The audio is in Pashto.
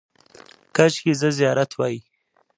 – کاشکې زه زیارت وای.